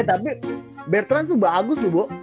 eh tapi bertrand tuh bagus tuh bu